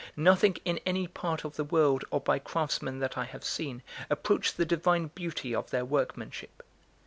Nothing in any part of the world or by craftsman that I have seen, approached the divine beauty of their workmanship.